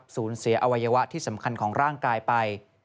สูญเสียอวัยวะที่สำคัญของร่างกายไป